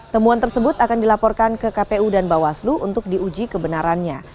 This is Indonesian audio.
temuan tersebut akan dilaporkan ke kpu dan bawaslu untuk diuji kebenarannya